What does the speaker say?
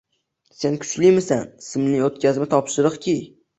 Sen Kuchlimisan, simli otkazma, topshiriq Ki